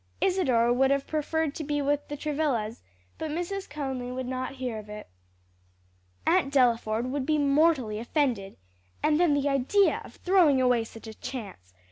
Isadore would have preferred to be with the Travillas, but Mrs. Conly would not hear of it. "Aunt Delaford would be mortally offended. And then the idea of throwing away such a chance!